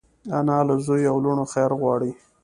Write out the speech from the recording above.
انا له زوی او لوڼو خیر غواړي